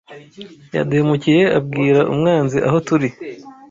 Yaduhemukiye abwira umwanzi aho turi.